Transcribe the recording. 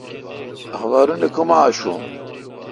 اخبارونی کما آشوں؟